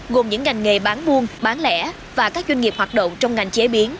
gồm những ngành nghề bán buôn bán lẻ và các doanh nghiệp hoạt động trong ngành chế biến